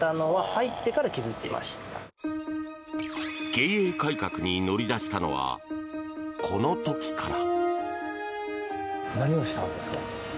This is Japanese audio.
経営改革に乗り出したのはこの時から。